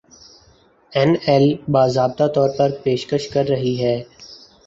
اینایل باضابطہ طور پر پیشکش کر رہی ہے